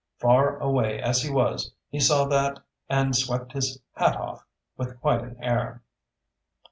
Far away as he was, he saw that and swept his hat off with quite an air.